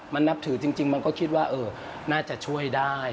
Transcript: มันนับถือจริงมันก็คิดว่าน่าจะช่วยได้